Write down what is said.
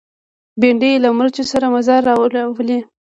بېنډۍ له مرچو سره مزه راولي